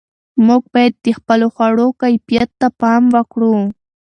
موږ باید د خپلو خوړو کیفیت ته پام وکړو.